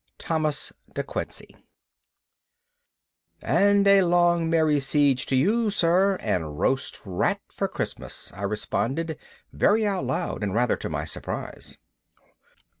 _ Thomas de Quincey "And a long merry siege to you, sir, and roast rat for Christmas!" I responded, very out loud and rather to my surprise.